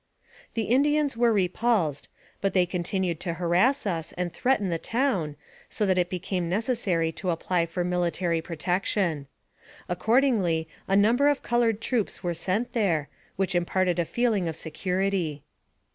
The Indians were repulsed, but they continued to harass us and threaten the town, so that it became necessary to apply for military protection. Accordingly, a number of colored troops were sent there, which imparted a feeling of security.